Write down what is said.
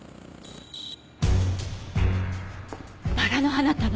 バラの花束！